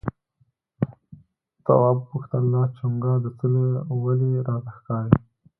تواب وپوښتل دا چونگا د څه ده ولې راته ښکاري؟